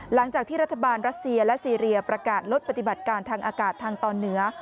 หลังจากที่รัฐบาลรัสเซียและซีเรียประกาศลดปฏิบัติการทางอากาศทางตอนเหนือ